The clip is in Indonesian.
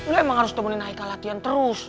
lo emang harus nemenin haikal latihan terus